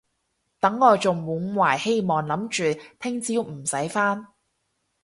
等我仲滿懷希望諗住聽朝唔使返